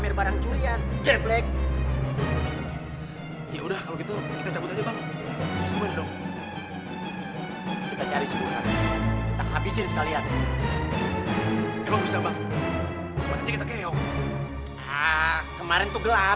ibu juga harus minta maaf pada istrinya burhan